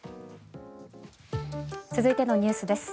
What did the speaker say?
続いてのニュースです。